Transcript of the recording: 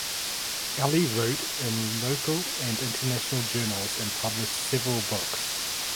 Ali wrote in local and international journals and published several books.